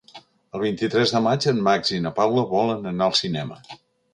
El vint-i-tres de maig en Max i na Paula volen anar al cinema.